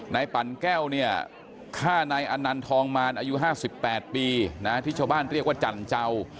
ปั่นแก้วเนี่ยฆ่านายอนันทองมารอายุ๕๘ปีนะที่ชาวบ้านเรียกว่าจันเจ้า